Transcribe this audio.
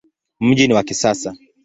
Mji ni wa kisasa.